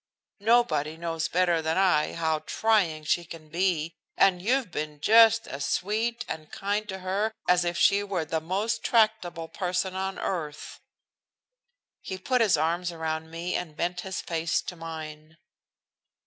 Nobody knows better than I how trying she can be, and you've been just as sweet and kind to her as if she were the most tractable person on earth." He put his arms around me and bent his face to mine.